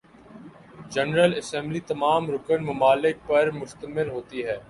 general assembly تمام رکن ممالک پر مشتمل ہوتی ہے